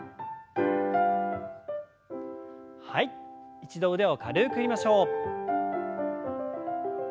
一度腕を軽く振りましょう。